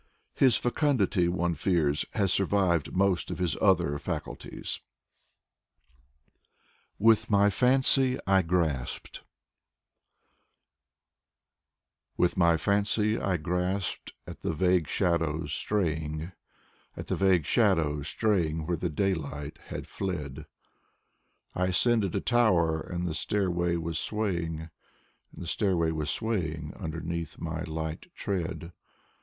His fecundity, one fears, has survived most of his other faculties. i I Konstanttn Balmont 73 " WITH MY FANCY I GRASPED "* With my fancy I grasped at the vague shadows straying. At the vague shadows straying where the daylight had fled; I ascended a tower, and the stairway was swaying, And the stairway was swaying underneath my light tread.